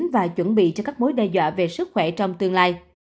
và chuẩn bị cho các mối đe dọa về sức khỏe trong tương lai